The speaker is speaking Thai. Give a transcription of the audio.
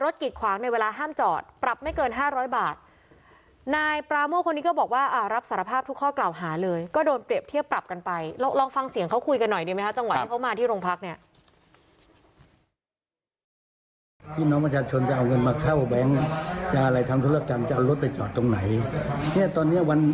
ที่สาธารณะคือขยะใบสั่งที่ลงพักเนี่ย